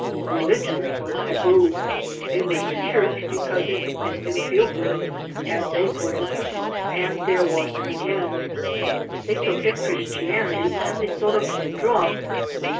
Religion was taboo. They went to church because it made them feel good, as they put it; and there was an end. They took their Christianity as a sort of drug.